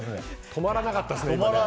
止まらなかったですね、今。